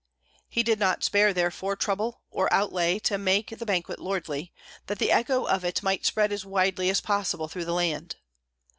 He did not spare therefore trouble or outlay to make the banquet lordly, that the echo of it might spread as widely as possible through the land.